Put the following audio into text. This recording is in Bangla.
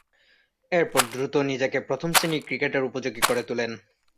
এরপর দ্রুত নিজেকে প্রথম-শ্রেণীর ক্রিকেটের উপযোগী করে তুলেন।